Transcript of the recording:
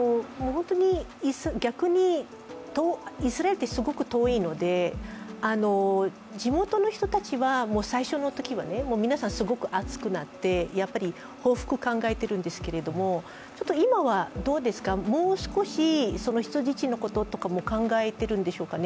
本当に逆にイスラエルってすごく遠いので地元の人たちは最初のときは、皆さんすごく熱くなってやっぱり報復を考えてるんですけれども今はどうですか、もう少し人質のこととかも考えているんでしょうかね。